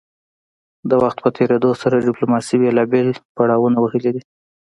د وخت په تیریدو سره ډیپلوماسي بیلابیل پړاونه وهلي دي